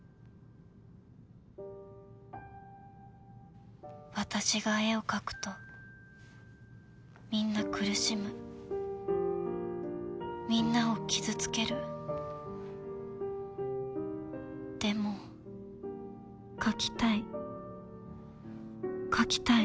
基本料と機種代が私が絵を描くとみんな苦しむみんなを傷つけるでも描きたい描きたい